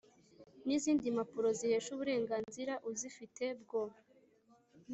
n izindi mpapuro zihesha uburenganzira uzifite bwo